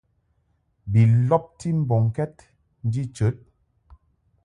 Bi lɔbti mbɔŋkɛd nji chəd.